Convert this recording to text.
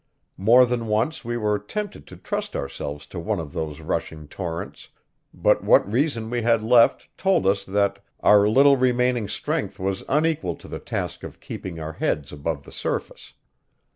More than once we were tempted to trust ourselves to one of those rushing torrents, but what reason we had left told us that our little remaining strength was unequal to the task of keeping our heads above the surface.